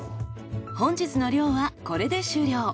本日の漁はこれで終了。